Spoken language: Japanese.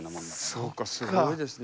そっかすごいですね。